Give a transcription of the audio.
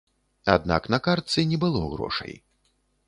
Аднак на картцы не было грошай.